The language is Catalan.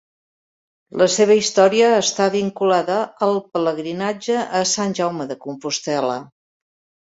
La seva història està vinculada al pelegrinatge a Sant Jaume de Compostel·la.